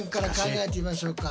え？